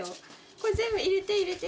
これ全部入れて入れて。